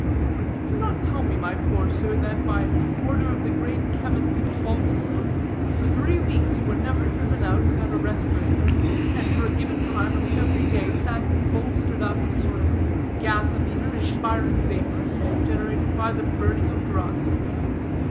For did you not tell me, my poor sir, that by order of the great chemist in Baltimore, for three weeks you were never driven out without a respirator, and for a given time of every day sat bolstered up in a sort of gasometer, inspiring vapors generated by the burning of drugs?